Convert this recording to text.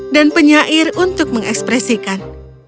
dan penyair untuk mengekspresikan